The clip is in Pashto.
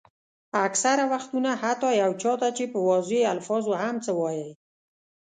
اکثره وختونه حتیٰ یو چا ته چې په واضحو الفاظو هم څه وایئ.